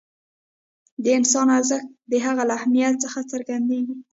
د انسان ارزښت د هغه له اهمیت څخه څرګندېږي.